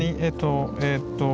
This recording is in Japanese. えと。